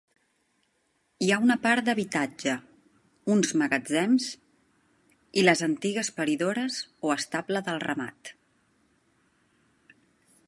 Hi ha una part d'habitatge, uns magatzems i les antigues paridores o estable del ramat.